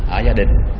ở gia đình